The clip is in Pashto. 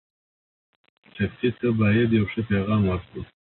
ټپي ته باید یو ښه پیغام ورکړو.